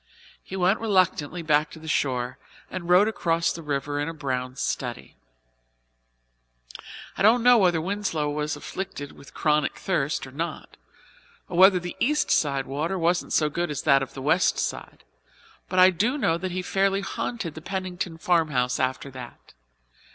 He went reluctantly back to the shore and rowed across the river in a brown study. I don't know whether Winslow was afflicted with chronic thirst or not, or whether the East side water wasn't so good as that of the West side; but I do know that he fairly haunted the Pennington farmhouse after that.